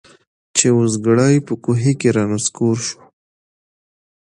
چي اوزګړی په کوهي کي را نسکور سو